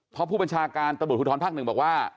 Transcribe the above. เพราะผู้บัญชาการตระบุทุธรภาคหนึ่งบอกว่า